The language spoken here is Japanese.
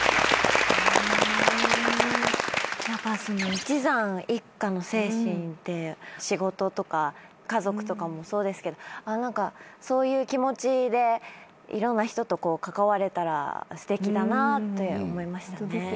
一山一家の精神って仕事とか家族とかもそうですけどそういう気持ちでいろんな人と関われたらすてきだなって思いましたね。